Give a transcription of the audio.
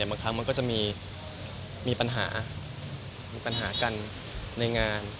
บางครั้งมันก็จะมีปัญหามีปัญหากันในงาน